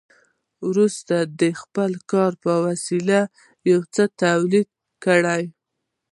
وروسته د خپل کار په وسیله یو څه تولید کړي